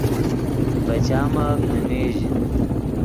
ڤے چامف نیمیژ